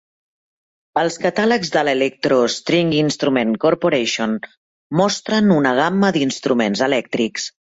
Els catàlegs de l'Electro String Instrument Corporation mostren una gamma d'instruments elèctrics.